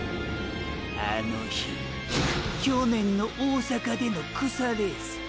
あの日去年の大阪での草レース